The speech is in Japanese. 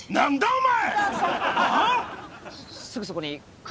お前！